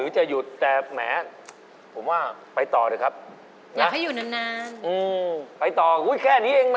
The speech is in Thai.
จะตามรายโว้ยใช่มะ